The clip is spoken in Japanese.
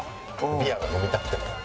ビアが飲みたくても。